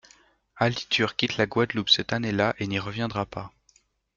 Ali Tur quitte la Guadeloupe cette année-là et n'y reviendra pas.